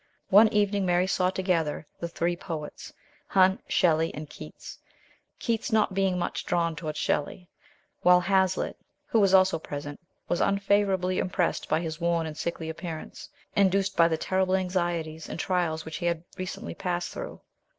One evening Mary saw together the ""three poets" Hunt, Shelley, and Keats; Keats not being much drawn towards Shelley, while Hazlitt, who was also present, was unfavourably impressed by his worn and sickly appearance, induced by the terrible anxieties and trials which he had recently passed through.